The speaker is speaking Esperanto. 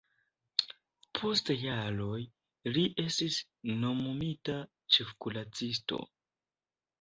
Post jaroj li estis nomumita ĉefkuracisto.